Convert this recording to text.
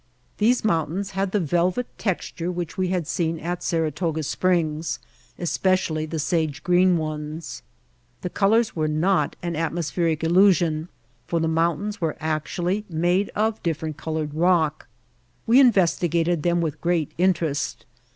These mountains had the velvet tex ture which we had seen at Saratoga Springs, especially the sage green ones. The colors were not an atmospheric illusion for the mountains were actually made of different colored rock. We investigated them with great interest.